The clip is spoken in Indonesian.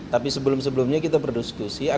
tapi sebelum sebelumnya kita berdiskusi